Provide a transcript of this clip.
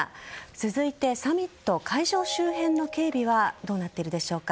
続いて、サミット会場周辺の警備はどうなっているでしょうか。